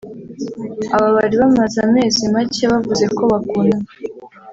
Aba bari bamaze amezi make bavuze ko bakundana